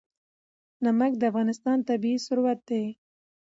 نمک د افغانستان طبعي ثروت دی.